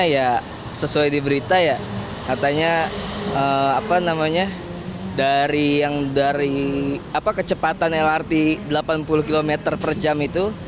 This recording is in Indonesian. ya sesuai di berita ya katanya apa namanya dari kecepatan lrt delapan puluh km per jam itu